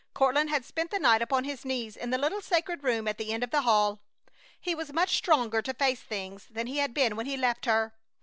Courtland had spent the night upon his knees in the little sacred room at the end of the hall. He was much stronger to face things than he had been when he left her.